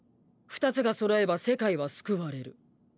二つが揃えば世界は救われる。